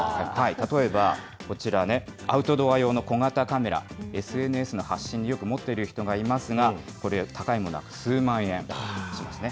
例えばこちらね、アウトドア用の小型カメラ、ＳＮＳの発信によく持っている人がいますが、これ、高いものは数万円しますね。